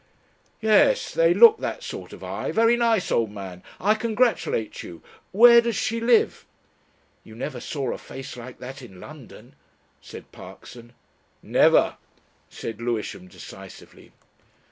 "Yes. They look that sort of eye. Very nice, old man. I congratulate you. Where does she live?" "You never saw a face like that in London," said Parkson. "Never," said Lewisham decisively.